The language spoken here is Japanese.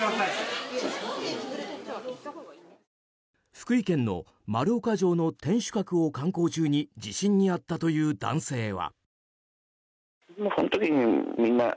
福井県の丸岡城の天守閣を観光中に地震に遭ったという男性は。